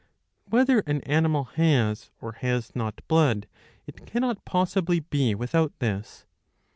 Whether an animal has or has not blood, it cannot possibly be without this.